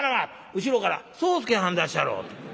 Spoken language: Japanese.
後ろから『宗助はんだっしゃろ』。